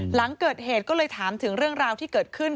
หลังเกิดเหตุก็เลยถามถึงเรื่องราวที่เกิดขึ้น